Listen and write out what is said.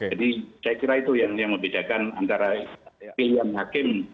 jadi saya kira itu yang membedakan antara pilihan hakim